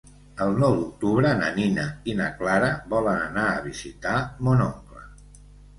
El nou d'octubre na Nina i na Clara volen anar a visitar mon oncle.